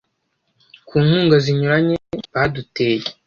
ku nkunga zinyuranye baduteye.